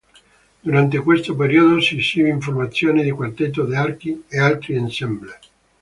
Durante questo periodo si esibì in formazione di quartetto d’archi e altri ensemble.